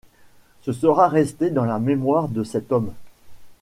Ce sera resté dans la mémoire de cet homme...